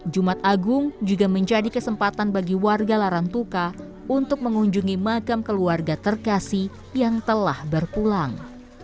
jumat agung juga menjadi kesempatan bagi warga larang tuka untuk mengunjungi makam keluarga terkasih yang telah berpulang